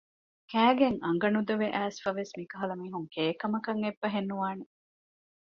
ކައިގެން އަނގަ ނުދޮވެ އައިސްފަވެސް މިކަހަލަ މީހުން ކެއިކަމަކަށް އެއްބަހެއް ނުވާނެ